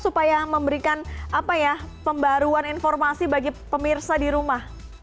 supaya memberikan pembaruan informasi bagi pemirsa di rumah